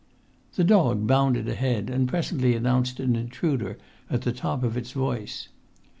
The dog bounded ahead, and presently announced an intruder at the top of its voice.